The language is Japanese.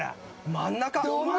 真ん中。